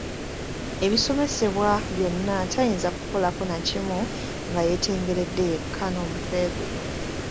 Ebisomesebwa byonna tayinza kukolako nakimu nga yeetengeredde yekka n'omutwe gwe.